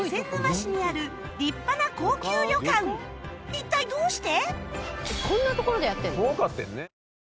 一体どうして？